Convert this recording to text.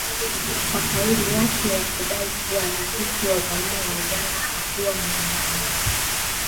kwa kauli yake ya kudai kuwa rais wa zamani wa Uganda hakuwa muuaji